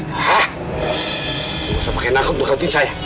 lu gak usah pake nangkep untuk ngantuin saya